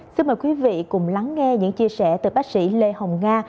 xin mời quý vị cùng lắng nghe những chia sẻ từ bác sĩ lê hồng nga